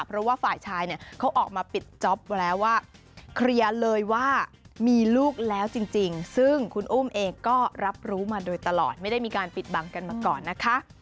เพราะว่าฝ่ายชายเนี่ยเขาออกมาปิดจ๊อปไว้แล้วว่าเคลียร์เลยว่ามีลูกแล้วจริงซึ่งคุณอุ้มเองก็รับรู้มาโดยตลอดไม่ได้มีการปิดบังกันมาก่อนนะคะ